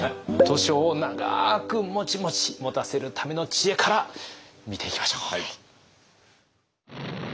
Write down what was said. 図書をながくモチモチもたせるための知恵から見ていきましょう。